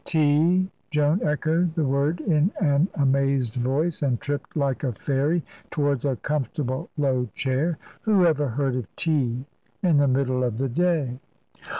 "Tea?" Joan echoed the word in an amazed voice, and tripped like a fairy towards a comfortable low chair. "Who ever heard of tea in the middle of the day?"